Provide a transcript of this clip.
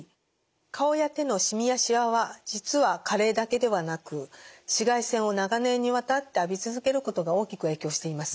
顔や手のしみやしわは実は加齢だけではなく紫外線を長年にわたって浴び続けることが大きく影響しています。